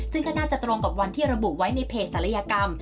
ซึ่งก็น่าจะตรงกับวันที่ระบุไว้ในเพจศัลยกรรม